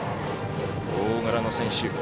大柄の選手。